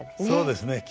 そうですね。